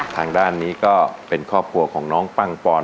ทางด้านนี้ก็เป็นครอบครัวของน้องปังปอน